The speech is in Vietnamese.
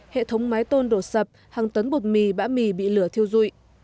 hệ thống mái tôn đổ sập hàng tấn bột mì bã mì bị lửa thiêu rụi